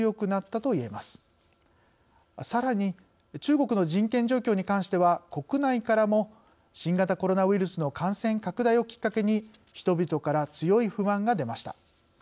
さらに中国の人権状況に関しては国内からも新型コロナウイルスの感染拡大をきっかけに人々から強い不満が出ました。